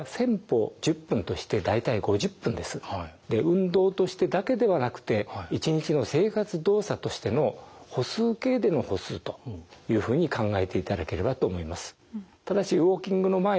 運動としてだけではなくて１日の生活動作としての歩数計での歩数というふうに考えていただければと思います。